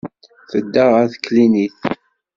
Tedda ɣer teklinit.